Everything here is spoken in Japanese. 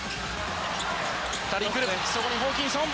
２人来るそこにホーキンソン。